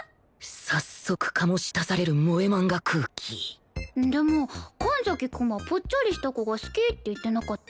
早速醸し出される萌えマンガ空気でも神崎くんはぽっちゃりした子が好きって言ってなかった？